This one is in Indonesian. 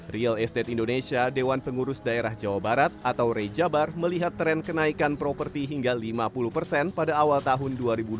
real estate indonesia dewan pengurus daerah jawa barat atau rejabar melihat tren kenaikan properti hingga lima puluh persen pada awal tahun dua ribu dua puluh